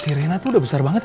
sirena tuh udah besar banget ya